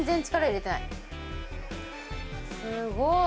すごい！